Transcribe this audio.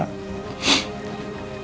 kamu udah mau maafin papa